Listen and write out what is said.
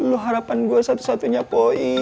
lu harapan gua satu satunya po ii